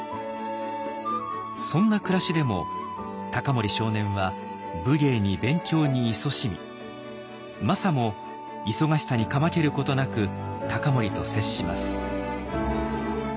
そんな暮らしでも隆盛少年は武芸に勉強にいそしみマサも忙しさにかまけることなく隆盛と接します。